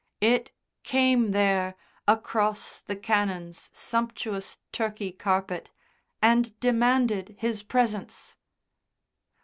It came there, across the Canon's sumptuous Turkey carpet, and demanded his presence.